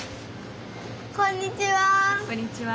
こんにちは。